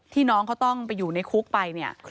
น้องเขาต้องไปอยู่ในคุกไปเนี่ย